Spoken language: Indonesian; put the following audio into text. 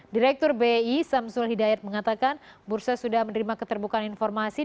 direktur bi samsul hidayat mengatakan bursa sudah menerima keterbukaan informasi